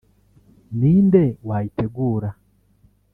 ni nde wayitegura